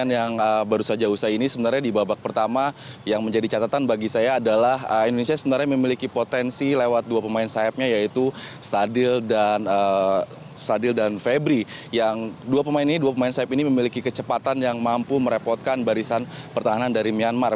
yang dua pemain ini dua pemain sahib ini memiliki kecepatan yang mampu merepotkan barisan pertahanan dari myanmar